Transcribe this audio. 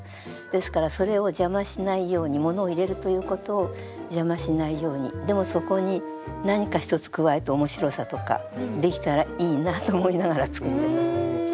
ですからそれを邪魔しないようにものを入れるということを邪魔しないようにでもそこに何か一つ加えて面白さとかできたらいいなと思いながら作ってます。